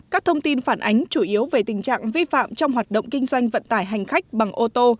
các thông tin phản ánh chủ yếu về tình trạng vi phạm trong hoạt động kinh doanh vận tải hành khách bằng ô tô